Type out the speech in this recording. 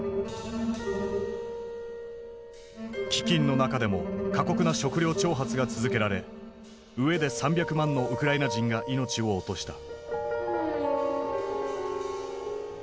飢饉の中でも過酷な食糧徴発が続けられ飢えで３００万のウクライナ人が命を落とした。